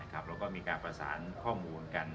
แล้วก็มีการผลาศาลข้อมูล